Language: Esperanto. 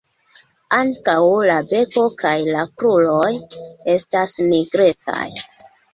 Ankaŭ la beko kaj la kruroj estas nigrecaj.